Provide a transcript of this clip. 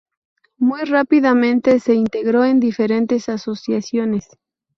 Muy rápidamente se integró en diferentes asociaciones.